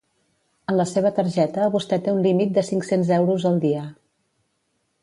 En la seva targeta vostè té un límit de cinc-cents euros al dia.